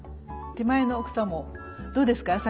手前の草もどうですか？